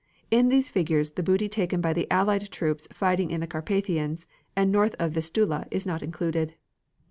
In these figures the booty taken by the Allied troops fighting in the Carpathians, and north of the Vistula, is not included.